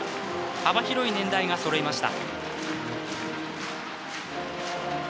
幅広い年代がそろいました。